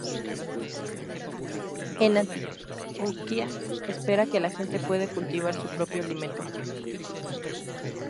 En Antioquia espera que la gente pueda cultivar su propio alimento.